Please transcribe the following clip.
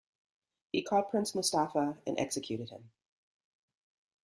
He caught Prince Mustafa and executed him.